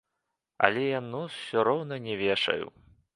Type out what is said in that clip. Але я нос ўсё роўна не вешаю!